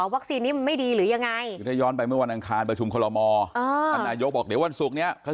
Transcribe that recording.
วัคซีนนี้ไม่ดีหรือยังไง